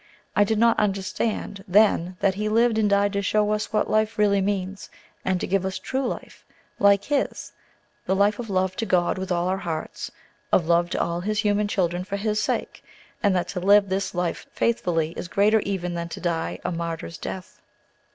I did not understand then that He lived and died to show us what life really means, and to give us true life, like His, the life of love to God with all our hearts, of love to all His human children for His sake; and that to live this life faithfully is greater even than to die a martyr's death.